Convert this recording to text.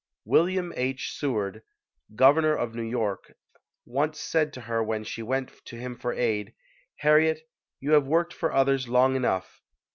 William H. Seward, Governor of New York, once said to her when she went to him for aid, "Harriet, you have worked for others long enough.